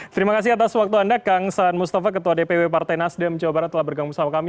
terima kasih atas waktu anda kang saan mustafa ketua dpw partai nasdem jawa barat telah bergabung bersama kami